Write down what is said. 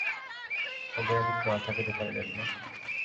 উদয়াদিত্য আর থাকিতে পারিলেন না।